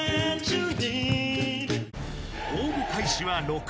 ［応募開始は６月］